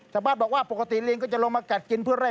ชาวบ้านบอกว่าปกติลิงก็จะลงมากัดกินเพื่อไล่